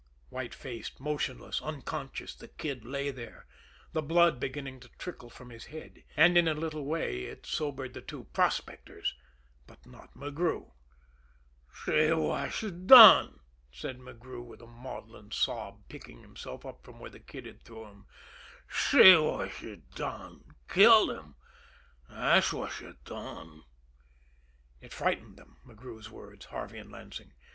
White faced, motionless, unconscious, the Kid lay there, the blood beginning to trickle from his head, and in a little way it sobered the two "prospectors" but not McGrew. "See whash done," said McGrew with a maudlin sob, picking himself up from where the Kid had thrown him. "See whash done! Killed him thash whash done." It frightened them, McGrew's words Harvey and Lansing.